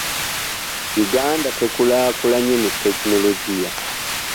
Uganda tekulaakulanye mu tekinologiya.